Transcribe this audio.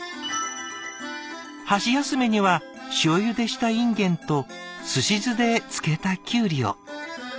「箸休めには塩ゆでしたいんげんとすし酢で漬けたきゅうりを。